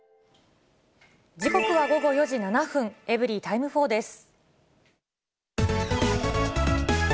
時刻は午後４時７分、エブリィタイム４です。